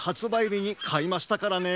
びにかいましたからね。